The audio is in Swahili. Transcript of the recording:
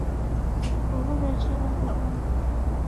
ni dhahiri kwamba haki za binaadam zinaendelea kuvujwa nchini burundi